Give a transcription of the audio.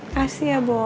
kasih ya boy